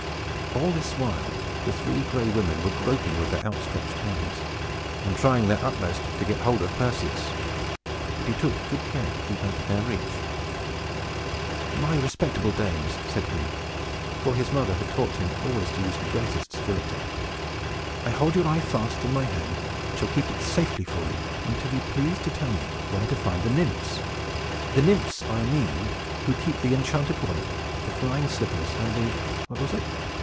All this while the Three Gray Women were groping with their outstretched hands, and trying their utmost to get hold of Perseus. But he took good care to keep out of their reach. "My respectable dames," said he, for his mother had taught him always to use the greatest civility, "I hold your eye fast in my hand, and shall keep it safely for you, until you please to tell me where to find these Nymphs. The Nymphs, I mean, who keep the enchanted wallet, the flying slippers, and the what is it?